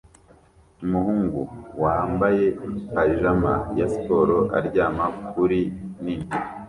Umuhungu wambaye pajama ya siporo aryama kuri nini